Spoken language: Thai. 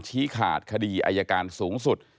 ชี้ขาดคดีอายการสูงสุด